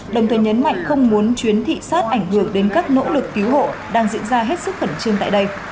đồng thời nhấn mạnh không muốn chuyến thị sát ảnh hưởng đến các nỗ lực cứu hộ đang diễn ra hết sức khẩn trương tại đây